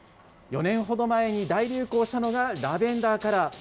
４年ほど前に大流行したのがラベンダーカラー。